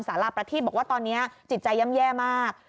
สละลับประทิบบอกว่าตอนนี้จิตใจแย่มาก